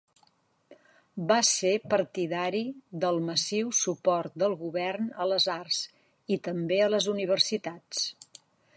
Va ser partidari del massiu suport del govern a les arts, i també a les universitats.